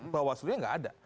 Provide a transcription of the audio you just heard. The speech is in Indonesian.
bawaslu nya tidak ada